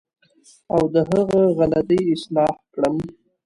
او د هغه غلطۍ اصلاح کړم.